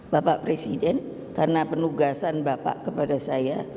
bapak presiden karena penugasan bapak kepada saya